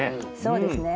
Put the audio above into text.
そうですね。